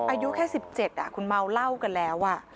อายุแค่๑๗คุณเมาเหล้ากันแล้ว